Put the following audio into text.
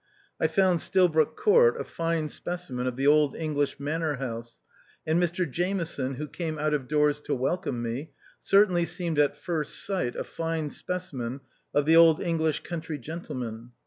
I found Stilbroke Court a fine specimen of the old English manor house, and Mr Jame son, who came out of doors to welcome me, certainly seemed at first sight a fine speci men of the old English country gentleman.